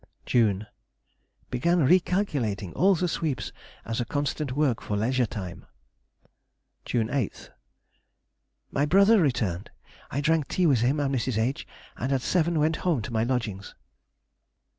June.—Began re calculating all the sweeps as a constant work for leisure time. June 8th.—My brother returned. I drank tea with him and Mrs. H., and at seven went home to my lodgings.